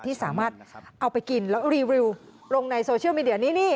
ที่สามารถเอาไปกินแล้วรีวิวลงในโซเชียลมีเดียนี้นี่